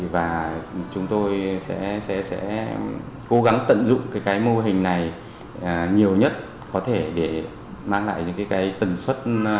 và chúng tôi sẽ cố gắng tận dụng mô hình này nhiều nhất có thể để mang lại tần suất